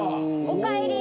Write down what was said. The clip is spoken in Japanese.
おかえり。